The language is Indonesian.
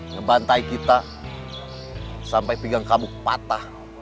ngebantai kita sampai pegang kamu patah